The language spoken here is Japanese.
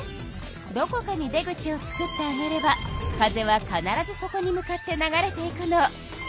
どこかに出口をつくってあげれば風は必ずそこに向かって流れていくの。